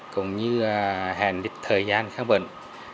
cũng như hành lịch thời gian khám bệnh